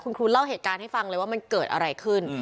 คุณครูเล่าเหตุการณ์ให้ฟังเลยว่ามันเกิดอะไรขึ้น